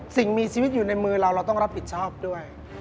สิ่งมีชีวิตอยู่ในมือเราเราต้องรับผิดชอบด้วย